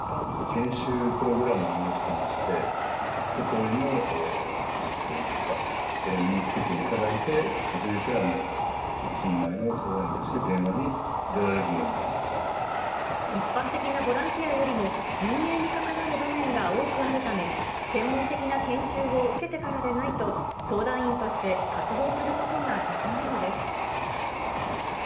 研修プログラムを用意してまして、一とおりの知識といいますか、それを身につけていただいて、初めて一人前の相談員として電話一般的なボランティアよりも、人命に関わる場面が多くあるため、専門的な研修を受けてからでないと、相談員として活動することができないのです。